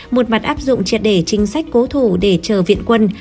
một mặt áp dụng triệt đề chính sách cố thủ để chờ viện quân